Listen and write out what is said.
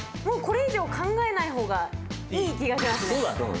もうこれ以上考えない方がいい気がしますね。